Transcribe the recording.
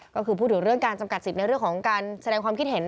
ก็คือพูดถึงเรื่องการจำกัดสิทธิ์ในเรื่องของการแสดงความคิดเห็น